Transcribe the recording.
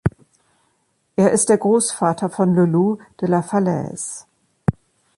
Er ist der Großvater von Loulou de la Falaise.